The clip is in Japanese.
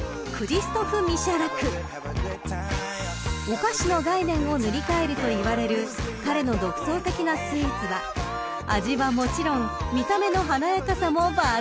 ［お菓子の概念を塗り替えるといわれる彼の独創的なスイーツは味はもちろん見た目の華やかさも抜群］